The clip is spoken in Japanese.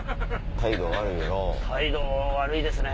態度悪いですね。